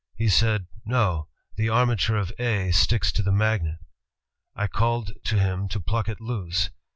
He said: 'No; the armature of A sticks to the magnet. ...' I called to him to pluck it loose.